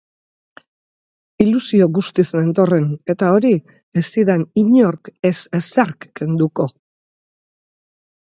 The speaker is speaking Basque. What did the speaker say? Ilusio guztiz nentorren eta hori ez zidan inork ez ezerk kenduko.